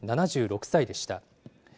７６歳でした。